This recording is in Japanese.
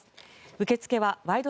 受け付けは「ワイド！